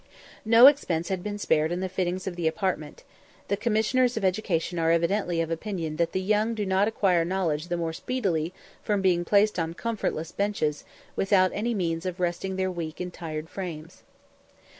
No expense had been spared in the fittings of the apartment; the commissioners of education are evidently of opinion that the young do not acquire knowledge the more speedily from being placed on comfortless benches, without any means of resting their weak and tired frames.